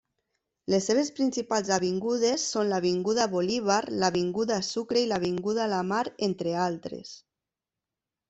Les seves principals avingudes són l'Avinguda Bolívar, l’Avinguda Sucre i l’Avinguda La Mar, entre d'altres.